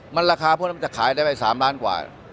มันราคาพวกนั้นมันจะขายได้ไป๓ล้านกว่า